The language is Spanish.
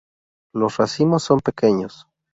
Los racimos son pequeños.